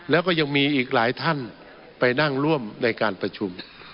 แล้วก็ยังมีอีกหลายท่านไปนั่งร่วมในการประชุม